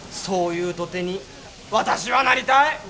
そういう土手に私はなりたい。